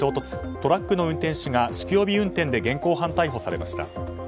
トラックの運転手が酒気帯び運転で現行犯逮捕されました。